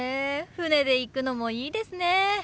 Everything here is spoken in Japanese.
船で行くのもいいですね。